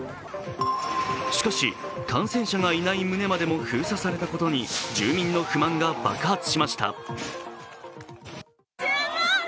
しかし、感染者がいない棟までも封鎖されたことに住民の不満が爆発しました。